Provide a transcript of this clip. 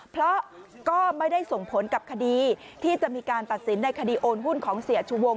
เพราะก็ไม่ได้ส่งผลกับคดีที่จะมีการตัดสินในคดีโอนหุ้นของเสียชูวง